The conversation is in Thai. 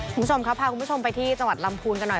คุณผู้ชมครับพาคุณผู้ชมไปที่จังหวัดลำพูนกันหน่อย